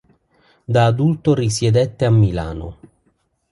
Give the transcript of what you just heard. Da adulto risiedette a Milano.